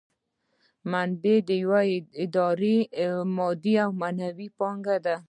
منابع د یوې ادارې مادي او معنوي پانګه ده.